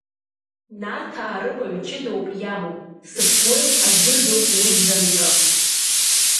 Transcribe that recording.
Нарҭаа рыбаҩ ҷыдоуп иамоу, сыԥсуеит аздырӡом уи бзанҵы.